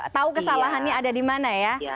tahu kesalahannya ada di mana ya